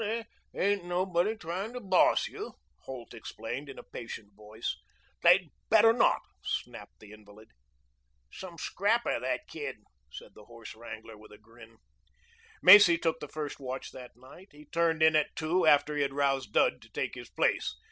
"Now now! There ain't nobody trying to boss you," Holt explained in a patient voice. "They'd better not," snapped the invalid. "Some scrapper that kid," said the horse wrangler with a grin. Macy took the first watch that night. He turned in at two after he had roused Dud to take his place.